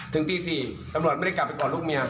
ถึงตี๔ตำรวจไม่ได้กลับไปกอดลูกเมีย